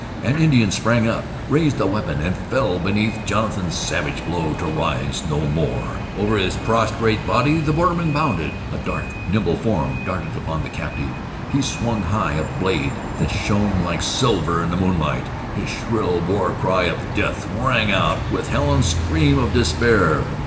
An Indian sprang up, raised a weapon, and fell beneath Jonathan's savage blow, to rise no more. Over his prostrate body the borderman bounded. A dark, nimble form darted upon the captive. He swung high a blade that shone like silver in the moonlight. His shrill war cry of death rang out with Helen's scream of despair.